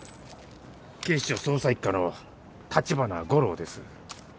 警視庁捜査一課の橘五郎です。